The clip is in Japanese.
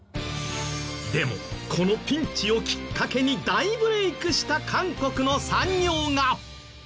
でもこのピンチをきっかけに大ブレークした韓国の産業が。